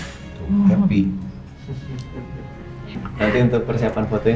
nanti untuk persiapan fotonya